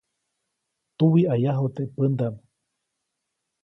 Tuwiʼayaju teʼ pändaʼm.